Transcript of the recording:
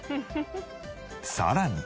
さらに。